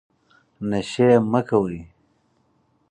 نشې مه کوئ